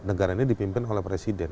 negara ini dipimpin oleh presiden